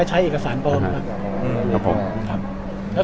ใช้เอกสารปลอม